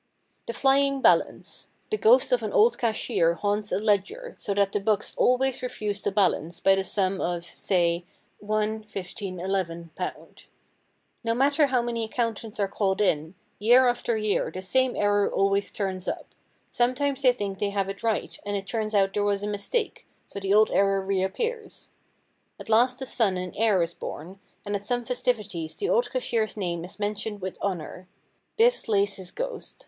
The Flying Balance. The ghost of an old cashier haunts a ledger, so that the books always refuse to balance by the sum of, say, £1.15.11. No matter how many accountants are called in, year after year the same error always turns up; sometimes they think they have it right and it turns out there was a mistake, so the old error reappears. At last a son and heir is born, and at some festivities the old cashier's name is mentioned with honour. This lays his ghost.